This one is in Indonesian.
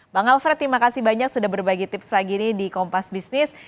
bang alfred terima kasih banyak sudah berbagi tips pagi ini di kompas bisnis